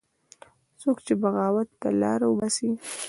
څوک چې بغاوت ته لاره وباسي